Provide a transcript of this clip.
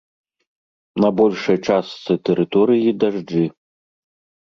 На большай частцы тэрыторыі дажджы.